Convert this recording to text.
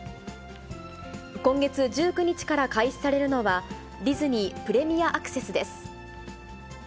今月１９日から開始されるのは、ディズニー・プレミアアクセスです。